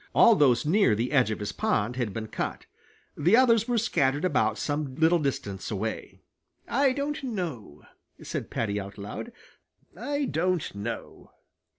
All those near the edge of his pond had been cut. The others were scattered about some little distance away. "I don't know," said Paddy out loud. "I don't know."